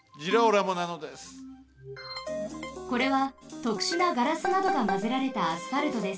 これはとくしゅなガラスなどがまぜられたアスファルトです。